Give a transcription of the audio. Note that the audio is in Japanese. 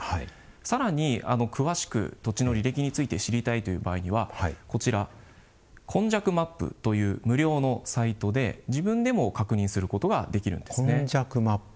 さらに詳しく土地の履歴について知りたいという場合には「今昔マップ」という無料のサイトで自分でも確認することができるんですね。